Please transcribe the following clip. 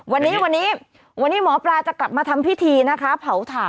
วันนี้หมอปลาจะกลับมาทำพิธีนะคะ